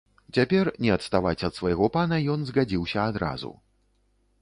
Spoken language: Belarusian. Цяпер не адставаць ад свайго пана ён згадзіўся адразу.